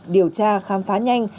điều tra khám phá nhanh